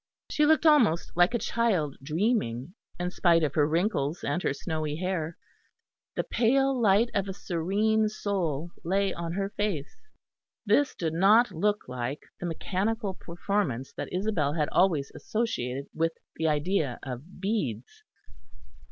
She looked almost like a child dreaming, in spite of her wrinkles and her snowy hair; the pale light of a serene soul lay on her face. This did not look like the mechanical performance that Isabel had always associated with the idea of beads.